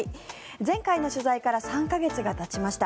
前回の取材から３か月がたちました。